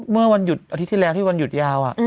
เมื่อวันหยุดอาทิตย์ที่แล้วที่วันหยุดยาว